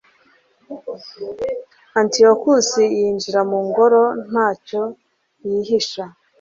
antiyokusi yinjira mu ngoro nta cyo yishisha